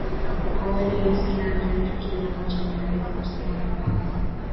kwa wale listeners wetu kile ambacho ninaweza kusema ni kwamba